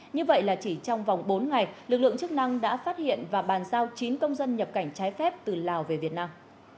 như vậy là chỉ trong vòng bốn ngày lực lượng chức năng đã phát hiện và bàn giao chín công dân nhập cảnh trái phép từ lào về việt nam